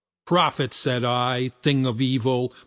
"Prophet!" said I, "thing of evil!